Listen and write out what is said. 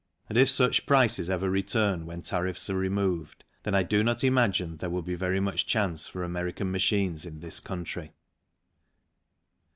and if such prices ever return when tariffs are removed, then I do not imagine there will be very much chance for American machines in this country.